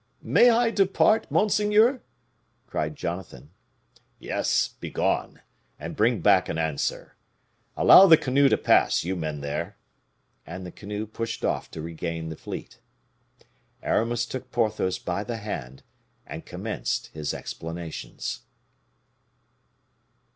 "May I depart, monseigneur?" cried Jonathan. "Yes, begone, and bring back an answer. Allow the canoe to pass, you men there!" And the canoe pushed off to regain the fleet. Aramis took Porthos by the hand, and commenced his explanations.